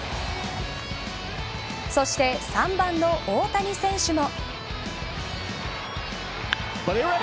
そして、３番の大谷選手も。